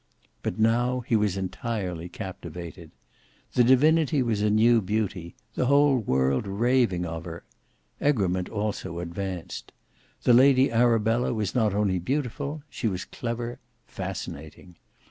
But now he was entirely captivated. The divinity was a new beauty; the whole world raving of her. Egremont also advanced. The Lady Arabella was not only beautiful: she was clever, fascinating.